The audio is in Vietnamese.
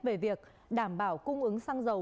về việc đảm bảo cung ứng xăng dầu